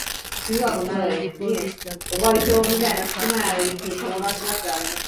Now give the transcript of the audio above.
It was reported that Paul is almost certainly the child of her lover.